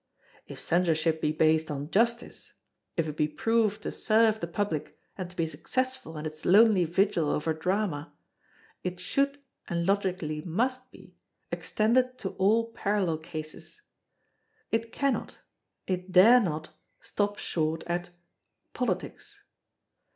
If Censorship be based on justice, if it be proved to serve the Public and to be successful in its lonely vigil over Drama, it should, and logically must be, extended to all parallel cases; it cannot, it dare not, stop short at—Politics.